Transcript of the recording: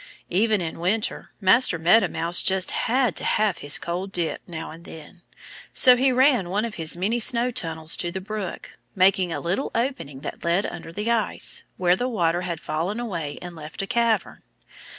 Even in winter Master Meadow Mouse just had to have his cold dip now and then. So he ran one of his many snow tunnels to the brook, making a little opening that led under the ice, where the water had fallen away and left a cavern.